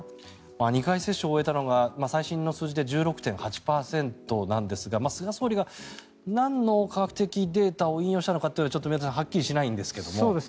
２回接種を終えたのが最新の数字で１６．８％なんですが菅総理がなんの科学的データを引用したのか、ちょっと宮田さんはっきりしないんですが。